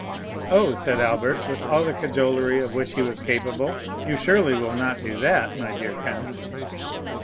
"Oh," said Albert with all the cajolery of which he was capable. "You surely will not do that, my dear count?"